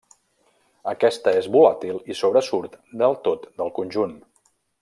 Aquesta és volàtil i sobresurt del tot del conjunt.